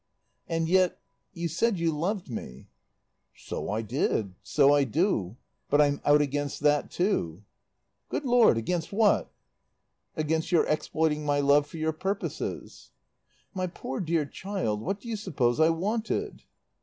"And yet you said you loved me." "So I did. So I do. But I'm out against that too." "Good Lord, against what?" "Against your exploiting my love for your purposes." "My poor dear child, what do you suppose I wanted?"